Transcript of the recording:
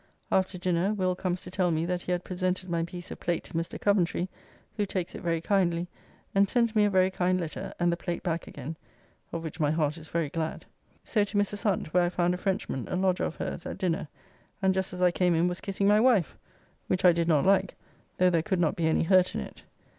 After dinner Will. comes to tell me that he had presented my piece of plate to Mr. Coventry, who takes it very kindly, and sends me a very kind letter, and the plate back again; of which my heart is very glad. So to Mrs. Hunt, where I found a Frenchman, a lodger of hers, at dinner, and just as I came in was kissing my wife, which I did not like, though there could not be any hurt in it.